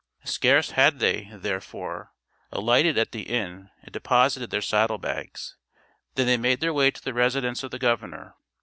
Scarce had they, therefore, alighted at the inn and deposited their saddle bags, than they made their way to the residence of the governor.